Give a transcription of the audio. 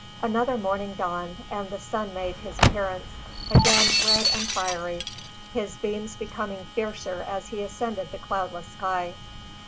Another morning dawned, and the sun made his appearance, again red and fiery, his beams becoming fiercer as he ascended the cloudless sky.